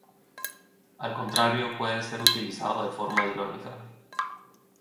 Al contrario, puede ser utilizado de forma irónica.